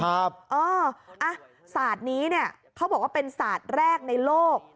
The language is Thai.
อ่ะสาดนี้เขาบอกว่าเป็นสาดแรกในโลก